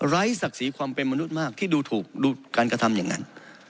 ศักดิ์ศรีความเป็นมนุษย์มากที่ดูถูกดูการกระทำอย่างนั้น